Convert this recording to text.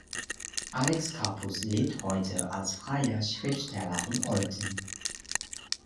Alex Capus lebt heute als freier Schriftsteller in Olten.